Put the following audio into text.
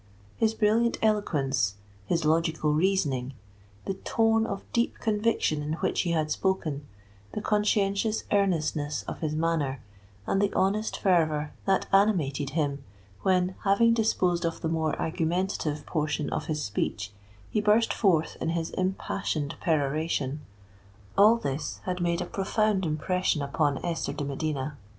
His brilliant eloquence—his logical reasoning—the tone of deep conviction in which he had spoken—the conscientious earnestness of his manner—and the honest fervour that animated him when, having disposed of the more argumentative portion of his speech, he burst forth in his impassioned peroration,—all this had made a profound impression upon Esther de Medina.